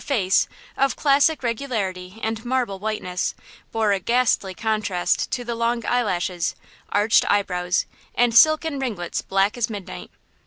Her face, of classic regularity and marble whiteness, bore a ghastly contrast to the long eyelashes, arched eyebrows and silken ringlets black as midnight.